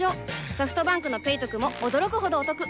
ソフトバンクの「ペイトク」も驚くほどおトク